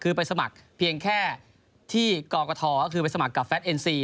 คือไปสมัครเพียงแค่ที่กกทก็คือไปสมัครกับแฟทเอ็นซี